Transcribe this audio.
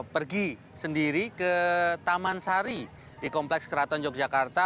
pergi sendiri ke taman sari di kompleks keraton yogyakarta